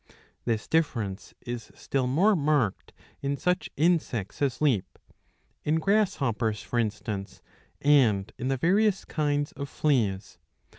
This difference is still more marked in such insects as leap, in grasshoppers for instance and in the various kinds of fleas.